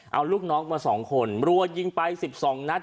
เอาลูกน้องมาสองคนรัวยิงไปสิบสองนัด